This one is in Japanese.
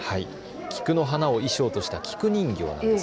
菊の花を衣装とした菊人形なんです。